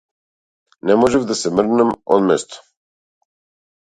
Не можев да се мрднам од место.